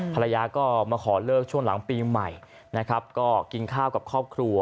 ภรรยาก็มาขอเลิกช่วงหลังปีใหม่นะครับก็กินข้าวกับครอบครัว